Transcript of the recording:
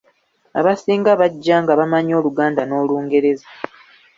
Abasinga bajja nga bamanyi Oluganda n’Olungereza.